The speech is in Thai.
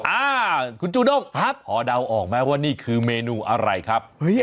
อ่าคุณจูด้งครับพอเดาออกไหมว่านี่คือเมนูอะไรครับ